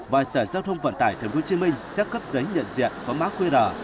và sở giao thông vận tải tp hcm sẽ cấp giấy nhận diện có má quy rờ